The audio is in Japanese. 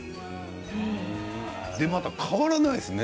変わらないですね